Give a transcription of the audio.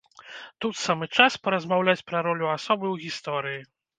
Тут самы час паразмаўляць пра ролю асобы ў гісторыі.